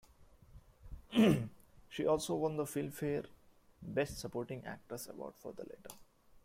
She also won the Filmfare Best Supporting Actress Award for the latter.